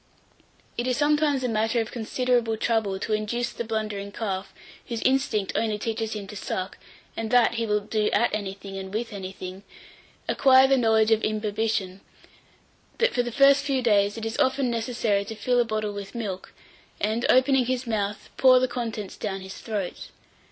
851. IT IS SOMETIMES A MATTER OF CONSIDERABLE TROUBLE to induce the blundering calf whose instinct only teaches him to suck, and that he will do at anything and with anything acquire the knowledge of imbibition, that for the first few days it is often necessary to fill a bottle with milk, and, opening his mouth, pour the contents down his throat.